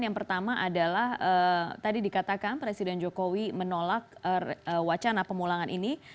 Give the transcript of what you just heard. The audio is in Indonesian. yang pertama adalah tadi dikatakan presiden jokowi menolak wacana pemulangan ini